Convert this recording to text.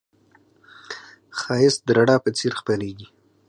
ښایست د رڼا په څېر خپرېږي